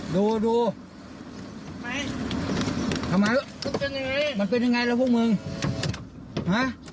ดูดูทำไมมันเป็นยังไงมันเป็นยังไงแล้วพวกมึงฮะ